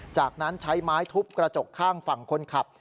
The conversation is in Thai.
จากนั้นใช้ไม้ทุบกระจกข้างฝั่งคนขับ